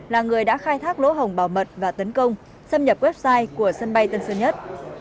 là người đã khai thác lỗ hồng bảo mật và tấn công xâm nhập website của sân bay tân sơn nhất